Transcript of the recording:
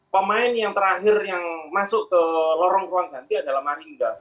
pemain yang terakhir yang masuk ke lorong ruang ganti adalah maringga